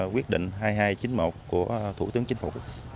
quyết định hai nghìn hai trăm chín mươi một của thủ tướng chính phủ